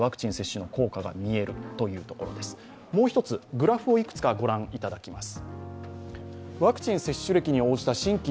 グラフをいくつか御覧いただきます。